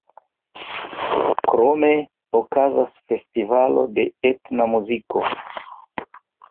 Krome okazas festivalo de etna muziko.